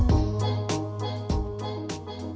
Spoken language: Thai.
ทุกที่ว่าใช่ไหม